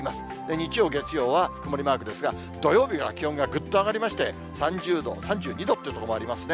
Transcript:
日曜、月曜は曇りマークですが、土曜日は気温がぐっと上がりまして、３０度、３２度という所もありますね。